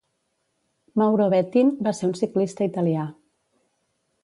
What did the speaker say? Mauro Bettin va ser un ciclista italià.